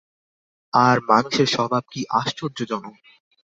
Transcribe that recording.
আর মানুষের স্বভাব কী আশ্চর্যজনক।